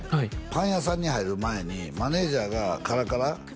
パン屋さんに入る前にマネージャーがカラカラ？